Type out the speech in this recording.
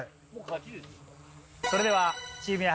それではチーム